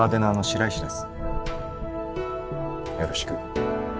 よろしく。